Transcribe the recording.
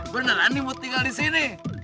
beneran ini mau tinggal di sini